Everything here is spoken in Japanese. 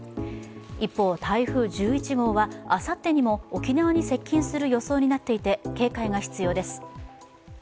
一方、台風１１号はあさってにも沖縄に接近する予想になっていて警戒が必要です。